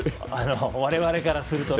我々からすると。